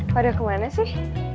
padahal kemana sih